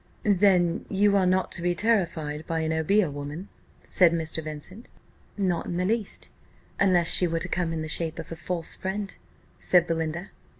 "Then you are not to be terrified by an obeah woman?" said Mr. Vincent. "Not in the least, unless she were to come in the shape of a false friend," said Belinda.